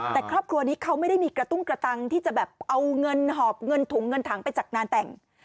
แต่ครอบครัวนี้เขาไม่ได้มีกระตุ้งกระตังที่จะแบบเอาเงินหอบเงินถุงเงินถังไปจากงานแต่ง